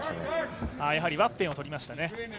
やはりワッペンを取りましたね。